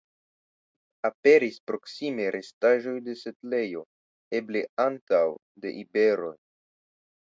Aperis proksime restaĵoj de setlejo eble antaŭ de iberoj.